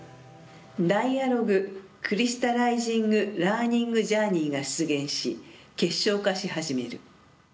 ダイアログクリスタライジングラーニングジャーニーが出現し結晶化し始める。